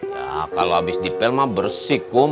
ya kalau habis dipel mah bersih kum